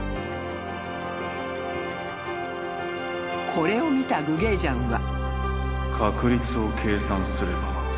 ［これを見たグゲイジャンは］